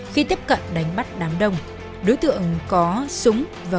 khi tiếp cận đánh bắt đám đông đối tượng có súng và có khả năng chống trả lực lượng công an